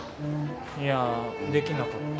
いや出来なかった。